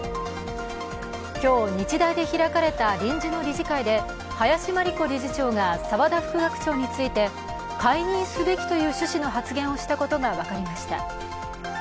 今日日大で開かれた臨時の理事会で林真理子理事長が沢田副学長について、解任すべきという趣旨の発言をしたことが分かりました。